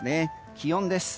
気温です。